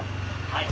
はい。